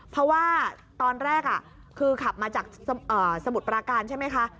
เพราะว่าตอนแรกคือขับมาจากสมุทรปราการใช่ไหมคะ